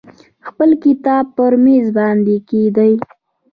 خپل کتاب پر میز باندې کیږدئ.